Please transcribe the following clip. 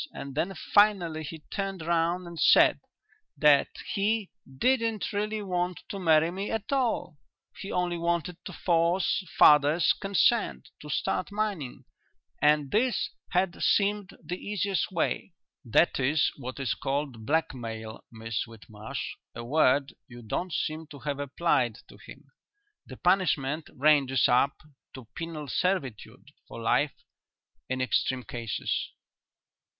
And then finally he turned round and said that he didn't really want to marry me at all; he only wanted to force father's consent to start mining and this had seemed the easiest way." "That is what is called blackmail, Miss Whitmarsh; a word you don't seem to have applied to him. The punishment ranges up to penal servitude for life in extreme cases."